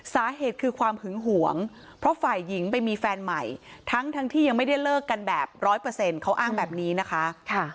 สาเหตุคือความหึงหวงเพราะฝ่ายหญิงไปมีแฟนใหม่ทั้งที่ยังไม่ได้เลิกกันแบบร้อยเปอร์เซ็นต์เขาอ้างแบบนี้นะคะ